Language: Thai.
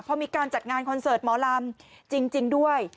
พอมีการจัดงานคอนเสิร์ตหมอลำจริงด้วย